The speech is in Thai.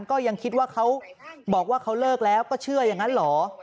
ก็ยังคิดว่าเขาบอกว่าเขาเลิกแล้วก็เชื่ออย่างนั้นเหรอ